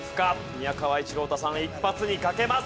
宮川一朗太さん一発にかけます！